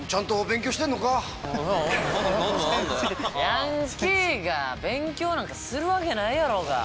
ヤンキーが勉強なんかするわけないやろが。